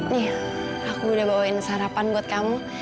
nih aku udah bawain sarapan buat kamu